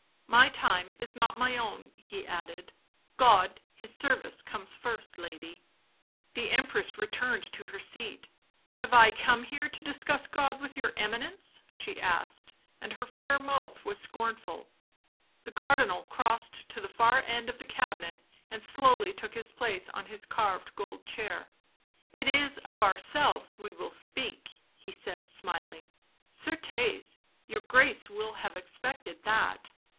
" My time is not my own," he added. " God His service comes first, lady." The Empress returned to her seat. " Have I come here to discuss God with your Eminence 1 ?" she asked, and her fair mouth was scornful. The Cardinal crossed to the far end of the cabinet and slowly took his place on his carved gold chair. "It is of ourselves we will speak," he said, smiling. " Certes, your Grace will have expected that."